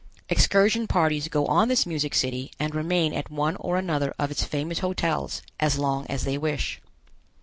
Excursion parties go on this music city and remain at one or another of its famous hotels as long as they wish.